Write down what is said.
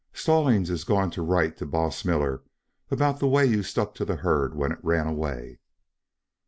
Stallings is going to write to Boss Miller about the way you stuck to the herd when it ran away."